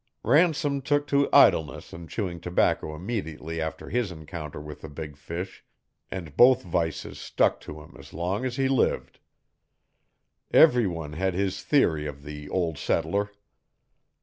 Ransom took to idleness and chewing tobacco immediately after his encounter with the big fish, and both vices stuck to him as long as he lived. Everyone had his theory of the 'ol' settler'.